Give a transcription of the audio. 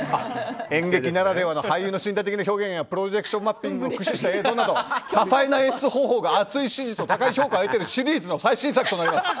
演劇ならではの俳優の身体的表現やプロジェクションマッピングを駆使した映像など多彩な演出方法が熱い支持と高い評価を得ているシリーズの最新作となります。